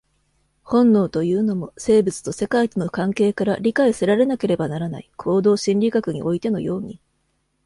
本能というのも、生物と世界との関係から理解せられなければならない、行動心理学においてのように。